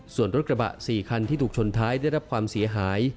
ส่วนรถกระบะ๔คันที่ถูกชนท้ายได้รับความเสียหาย